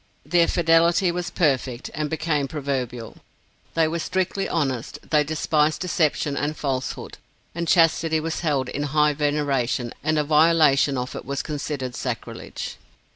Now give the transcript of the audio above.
Their fidelity was perfect, and became proverbial; they were strictly honest; they despised deception and falsehood; and chastity was held in high veneration, and a violation of it was considered sacrilege.